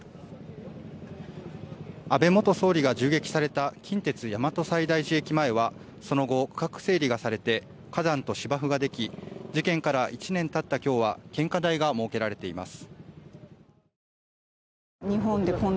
安倍元総理が銃撃された近鉄大和西大寺駅前はその後、区画整理がされて花壇と芝生ができ事件から１年たった今日は献花台が設けられています。